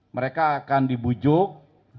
mereka akan dibujuk